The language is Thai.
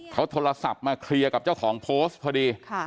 เขาโทรศัพท์มาเคลียร์กับเจ้าของโพสต์พอดี